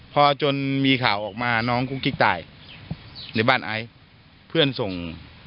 พอจนมีข่าวออกมาน้องกุ๊กกิ๊กตายในบ้านไอซ์เพื่อนส่ง